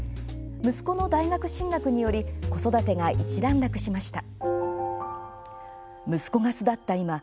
息子の大学進学により子育てが一段落しました。